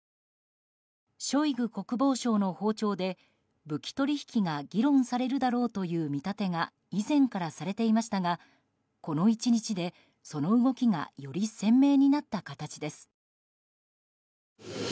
ショイグ国防相の訪朝で武器取引が議論されるだろうという見立てが以前からされていましたがこの１日で、その動きがより鮮明になった形です。